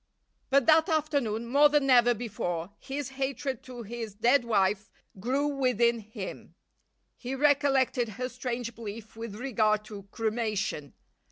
But that afternoon more than ever before his hatred to his dead wife grew within him. He recollected her strange belief with regard to cremation.